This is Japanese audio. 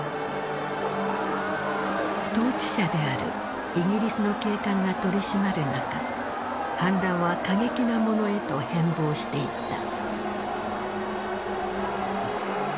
統治者であるイギリスの警官が取り締まる中反乱は過激なものへと変貌していった。